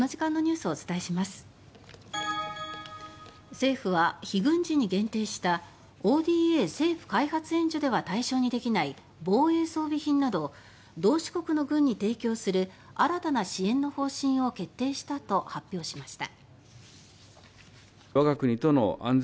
政府は、非軍事に限定したＯＤＡ・政府開発援助では対象にできない防衛装備品など同志国の軍に提供する新たな支援の方針を決定したと発表しました。